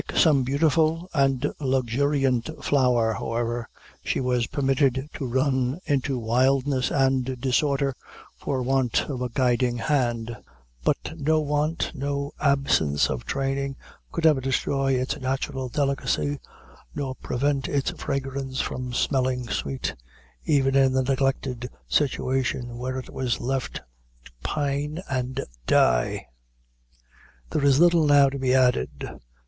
Like some beautiful and luxuriant flower, however, she was permitted to run into wildness and disorder for want of a guiding hand; but no want, no absence of training, could ever destroy its natural delicacy, nor prevent its fragrance from smelling sweet, even in the neglected situation where it was left to pine and die. There is little now to be added.